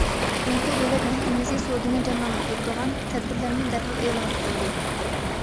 جۇڭگو دۆلەت مەھكىمىسى سودىنى جانلاندۇرىدىغان تەدبىرلەرنى دەرھال ئېلان قىلدى.